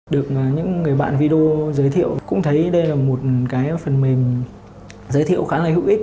được những người bạn video giới thiệu cũng thấy đây là một cái phần mềm giới thiệu khá là hữu ích